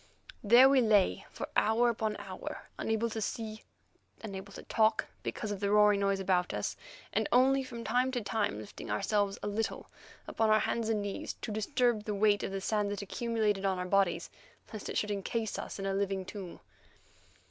There we lay for hour after hour, unable to see, unable to talk because of the roaring noise about us, and only from time to time lifting ourselves a little upon our hands and knees to disturb the weight of sand that accumulated on our bodies, lest it should encase us in a living tomb.